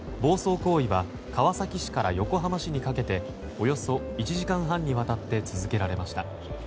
暴走行為は川崎市から横浜市にかけておよそ１時間半にわたり続けられました。